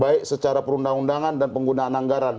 baik secara perundang undangan dan penggunaan anggaran